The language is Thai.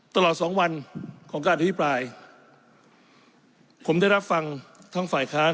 ตลอดสองวันของการอภิปรายผมได้รับฟังทั้งฝ่ายค้าน